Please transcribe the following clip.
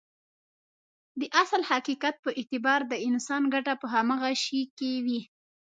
د اصل حقيقت په اعتبار د انسان ګټه په هماغه شي کې وي.